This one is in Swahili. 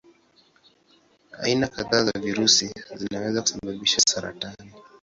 Aina kadhaa za virusi zinaweza kusababisha saratani.